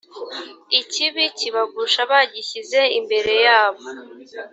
ikibi kibagusha bagishyize imbere yabo